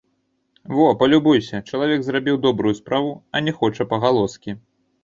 Во, палюбуйся, чалавек зрабіў добрую справу, а не хоча пагалоскі.